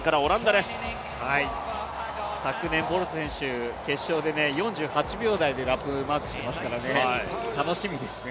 昨年、ボルト選手は決勝で４８秒台でラップをマークしてますから、楽しみですね。